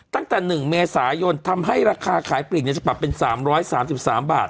ตั้งแต่หนึ่งเมษายนทำให้ราคาขายปริ่งเนี่ยจะปรับเป็นสามร้อยสามสิบสามบาท